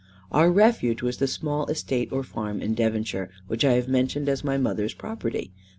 Our refuge was the small estate or farm in Devonshire, which I have mentioned as my mother's property.